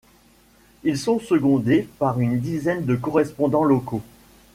Ils sont secondés par une dizaine de correspondants locaux.